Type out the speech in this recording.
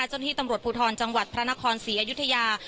เจ้าหน้าที่ตำรวจภูทรจังหวัดพระนครศรีอยุธยา